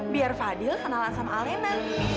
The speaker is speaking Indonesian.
biar fadil kenal asam alena